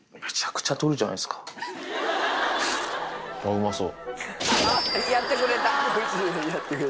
うまそう。